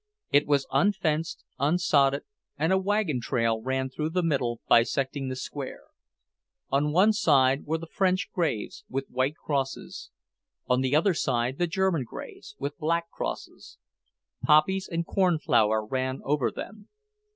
It was unfenced, unsodded, and a wagon trail ran through the middle, bisecting the square. On one side were the French graves, with white crosses; on the other side the German graves, with black crosses. Poppies and cornflower ran over them.